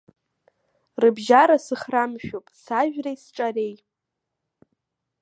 Рыбжьара сыхрамшәуп, сажәреи сҿареи.